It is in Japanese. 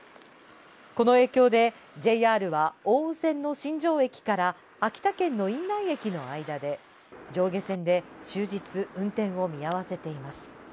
この影響でＪＲは奥羽線の新庄駅から秋田県の院内駅の間で上下線で終日運転を見合わせています。